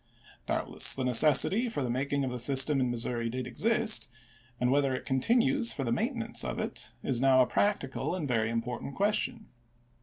Doubtless, the necessity for the making of the system in Missouri did exist; and whether it continues for the maintenance of it, is now a practical and very important question.